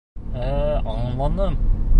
— Ә-ә, аңланым.